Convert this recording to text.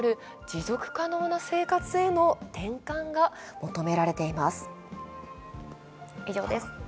持続可能な生活への転換が求められています。